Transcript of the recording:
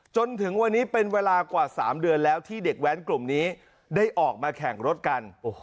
จนถึงวันนี้เป็นเวลากว่า๓เดือนแล้วที่เด็กแว้นกลุ่มนี้ได้ออกมาแข่งรถกัน